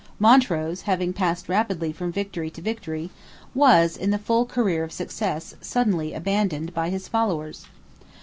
Montrose, having passed rapidly from victory to victory, was, in the full career of success, suddenly abandoned by his followers.